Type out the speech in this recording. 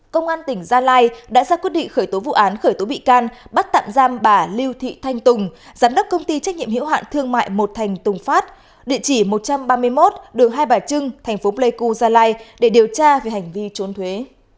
công an tỉnh gia lai đã ra quyết định khởi tố vụ án khởi tố bị can bắt tạm giam bà lưu thị thanh tùng giám đốc công ty trách nhiệm hiệu hạn thương mại một thành tùng phát địa chỉ một trăm ba mươi một đường hai bà trưng thành phố pleiku gia lai để điều tra về hành vi trốn thuế